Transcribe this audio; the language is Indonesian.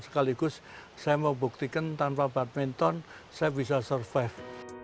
sekaligus saya mau buktikan tanpa badminton saya bisa survive